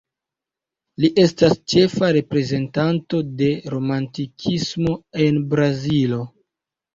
Li estas ĉefa reprezentanto de romantikismo en Brazilo.